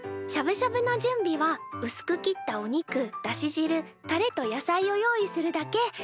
しゃぶしゃぶの準備はうすく切ったお肉だしじるタレと野菜を用意するだけ。